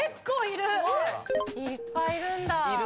いっぱいいるんだ。